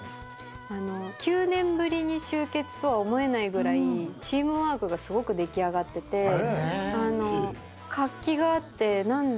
９年ぶりに集結とは思えないぐらいチームワークがすごく出来上がってて活気があって何でしょう？